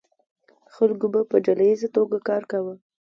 خلکو به په ډله ایزه توګه کار کاوه.